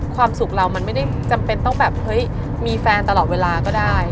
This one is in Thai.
ความสุขเรามันไม่ได้จำเป็นต้องแบบเฮ้ยมีแฟนตลอดเวลาก็ได้